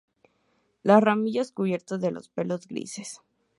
Las ramillas cubiertas de pelos grises.